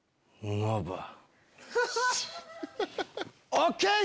ＯＫ！